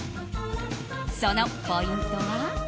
そのポイントは。